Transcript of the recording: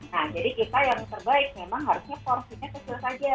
nah jadi kita yang terbaik memang harusnya porsinya kecil saja